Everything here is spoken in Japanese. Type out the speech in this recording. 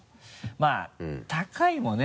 まぁ高いもね